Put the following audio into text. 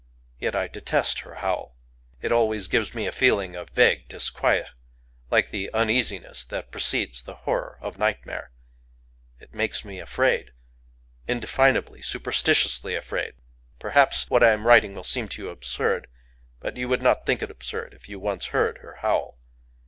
Yet I detest her howl. It always gives me a feeling of vague disquiet, like the uneasiness that precedes the horror of nightmare. It makes me afraid,—indefinably, superstitiously afraid. Perhaps what I am writing will seem to you absurd; but you would not think it absurd if you once heard her howl.